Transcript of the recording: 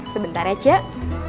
sebentar ya cek